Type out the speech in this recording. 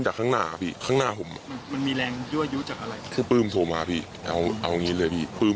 ถ้าเรียกว่าปลื้มว่าพี่ปลื้ม